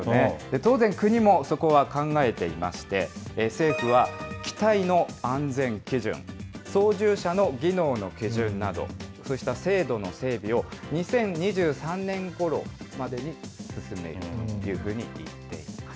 当然、国もそこは考えていまして、政府は機体の安全基準、操縦者の技能の基準など、そうした制度の整備を、２０２３年ごろまでに進めるというふうに言っています。